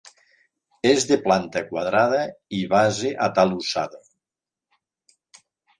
És de planta quadrada i base atalussada.